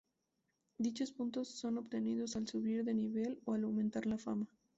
Dichos puntos son obtenidos al subir de nivel o al aumentar la fama.